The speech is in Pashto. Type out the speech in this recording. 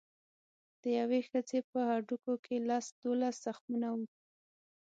د یوې ښځې په هډوکو کې لس دولس زخمونه وو.